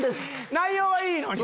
内容はいいのに。